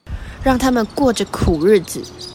讓他們過著苦日子